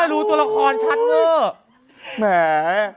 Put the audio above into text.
ไม่ค่อยรู้ตัวละครชัดเมื่อ